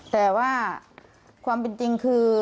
แต่ว่าความเป็นจริงคือ